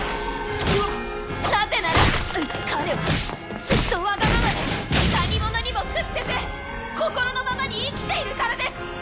なぜなら彼はずっとわがままで何者にも屈せず心のままに生きているからです！